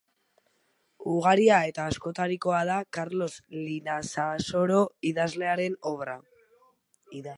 Ugaria eta askotarikoa da Karlos Linazasoro idazlearen obra.